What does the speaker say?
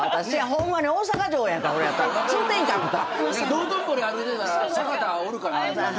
道頓堀歩いてたら坂田おるかな。